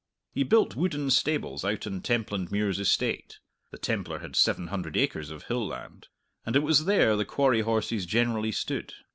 He built wooden stables out on Templandmuir's estate the Templar had seven hundred acres of hill land and it was there the quarry horses generally stood.